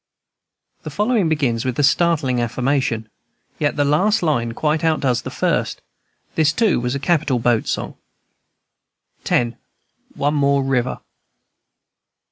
The following begins with a startling affirmation, yet the last line quite outdoes the first. This, too, was a capital boat song. X. ONE MORE RIVER.